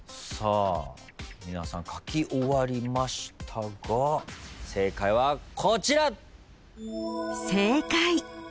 皆さん書き終わりましたが正解はこちら。